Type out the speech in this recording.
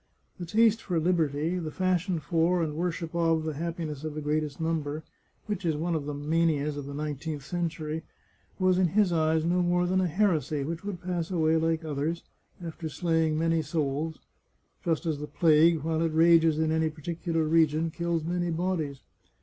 The taste for liberty, the fashion for and worship of the happiness of the greatest number, which is one of the manias of the nineteenth century, was in his eyes no more than a heresy, which would pass away like others, after slay ing many souls, just as the plague, while it rages in any particular region, kills many bodies.